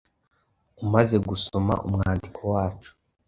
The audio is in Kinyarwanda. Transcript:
Umaze gusoma umwandiko wacu